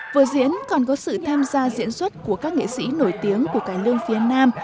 vở diễn còn có sự tham gia diễn xuất của các nghệ sĩ nổi tiếng của cải lương phía nam